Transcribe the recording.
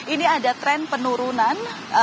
ini ada tren penurunan